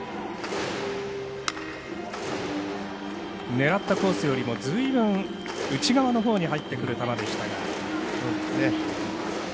狙ったコースよりもずいぶん内側に入ってくる球でした。